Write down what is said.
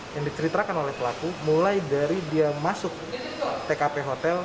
yang diceritakan oleh pelaku mulai dari dia masuk tkp hotel